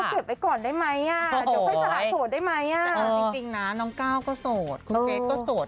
คือก็ชมเหมือนกันนะเชอรี่